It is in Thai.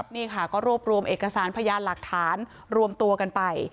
นี่ค่ะก็รวบรวมเอกสารพยานหลักฐานรวมตัวกันไป